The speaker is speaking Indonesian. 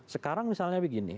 sekarang misalnya begini